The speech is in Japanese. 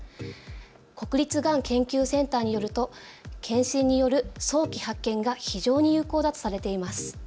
国立がん研究センターによると検診による早期発見が非常に有効だとされています。